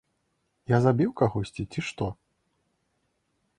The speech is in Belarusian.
Я забіў кагосьці, ці што?